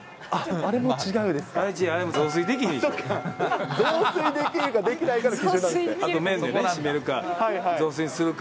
あれも違うんですか。